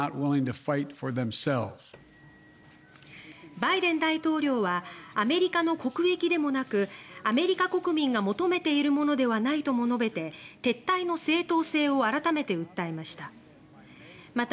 バイデン大統領はアメリカの国益でもなくアメリカ国民が求めているものではないとも述べて撤退の正当性を改めて訴えました。